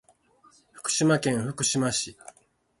福島県福島市